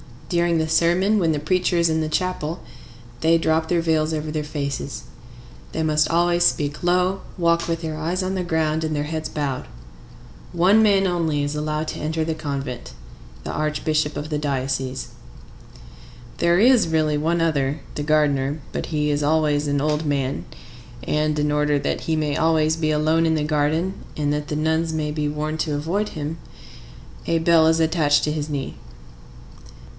During the sermon, when the preacher is in the chapel, they drop their veils over their faces. They must always speak low, walk with their eyes on the ground and their heads bowed. One man only is allowed to enter the convent,—the archbishop of the diocese. There is really one other,—the gardener. But he is always an old man, and, in order that he may always be alone in the garden, and that the nuns may be warned to avoid him, a bell is attached to his knee.